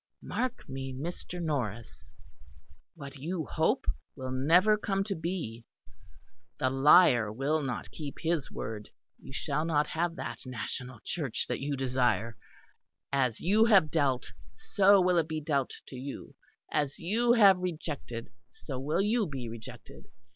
Mark me, Mr. Norris, what you hope will never come to be the Liar will not keep his word you shall not have that National Church that you desire: as you have dealt, so will it be dealt to you: as you have rejected, so will you be rejected.